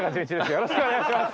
よろしくお願いします。